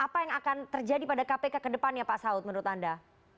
apa yang akan terjadi pada kpk ke depannya pak saud menurut anda